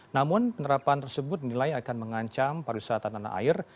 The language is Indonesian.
namun penerapan tersebut dinilai akan mengancam pariwisata tanah air